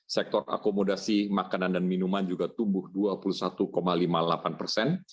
sektor akomodasi makanan dan minuman juga tumbuh dua puluh satu lima puluh delapan persen